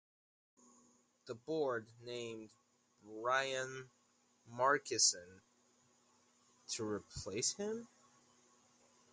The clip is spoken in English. The board named Brian Markison to replace him.